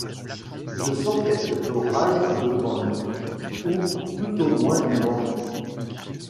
Je sens quelque orage devant nous, ou tout au moins du vent…